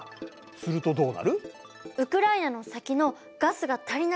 するとどうなる？